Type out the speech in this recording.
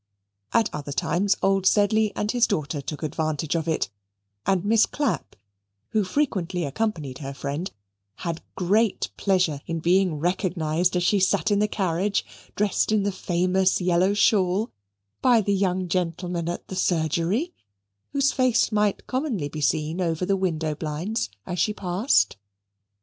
At other times old Sedley and his daughter took advantage of it, and Miss Clapp, who frequently accompanied her friend, had great pleasure in being recognized as she sat in the carriage, dressed in the famous yellow shawl, by the young gentleman at the surgery, whose face might commonly be seen over the window blinds as she passed.